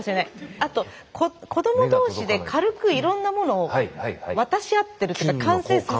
あと子ども同士で軽くいろんなものを渡し合ってるというか感染させ。